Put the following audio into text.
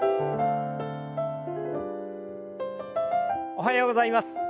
おはようございます。